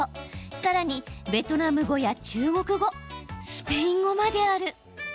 さらに、ベトナム語や中国語スペイン語まである。